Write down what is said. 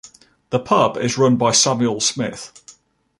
The pub is run by Samuel Smith.